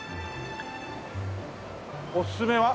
おすすめは？